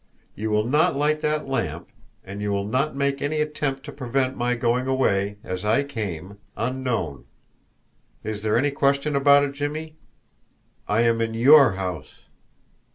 You will not light that lamp, and you will not make any attempt to prevent my going away as I came unknown. Is there any question about it, Jimmie? I am in YOUR house."